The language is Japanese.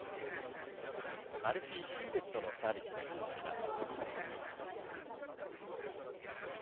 アルフィー・ヒューウェットのサービスで始まります。